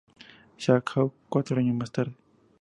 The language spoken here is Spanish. Sochaux cuatro años más tarde.